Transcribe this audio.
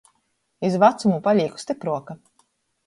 Iz vacumu palīku stypruoka.